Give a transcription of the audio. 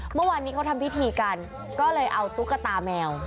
เมื่อวานนี้เขาทำพิธีกันก็เลยเอาตุ๊กตาแมว